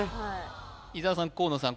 伊沢さん河野さん